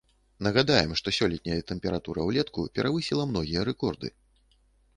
Нагадаем, што сёлетняя тэмпература ўлетку перавысіла многія рэкорды.